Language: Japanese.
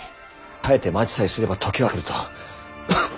耐えて待ちさえすれば時は来ると。